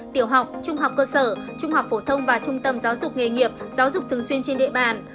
tiểu học trung học cơ sở trung học phổ thông và trung tâm giáo dục nghề nghiệp giáo dục thường xuyên trên địa bàn